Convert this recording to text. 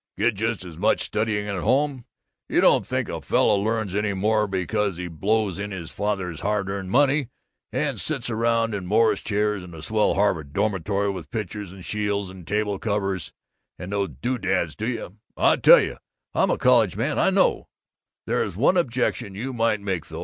Get just as much, studying at home. You don't think a fellow learns any more because he blows in his father's hard earned money and sits around in Morris chairs in a swell Harvard dormitory with pictures and shields and table covers and those doodads, do you? I tell you, I'm a college man I know! There is one objection you might make though.